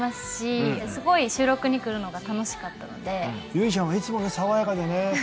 由依ちゃんはいつも爽やかでね。